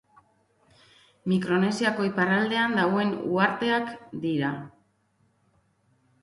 Mikronesiako iparraldean dauden uharteak dira.